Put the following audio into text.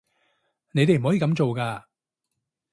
你哋唔可以噉做㗎